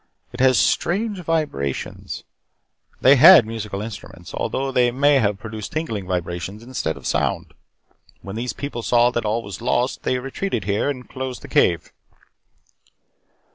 It has strange vibrations. They had musical instruments although they may have produced tingling vibrations instead of sound. When these people saw that all was lost, they retreated here and closed the cave.